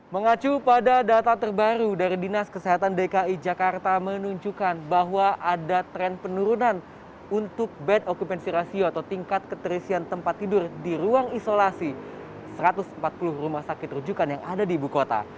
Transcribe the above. mengacu pada data terbaru dari dinas kesehatan dki jakarta menunjukkan bahwa ada tren penurunan untuk bed occupancy ratio atau tingkat keterisian tempat tidur di ruang isolasi satu ratus empat puluh rumah sakit rujukan yang ada di ibu kota